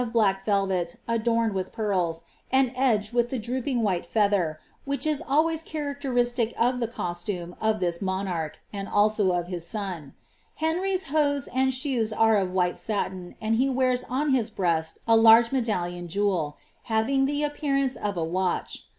black velvet adorned with pearls, and edged with the droopinj^ wbill feather, which is always characteristic of the costume of this monarch, and aUo of his son. lienrv^s hose and shoes are of white satin, and he wears on his breast a large medallion jeweU having the appearance of t watch.